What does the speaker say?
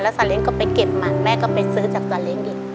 ซาเล้งก็ไปเก็บมันแม่ก็ไปซื้อจากซาเล้งอีก